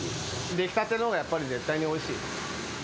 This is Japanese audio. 出来たてのほうがやっぱり絶対においしい。